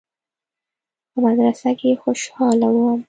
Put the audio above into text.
په مدرسه کښې خوشاله وم.